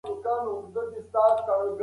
هغوی هڅه کوي وضعیت ښه کړي.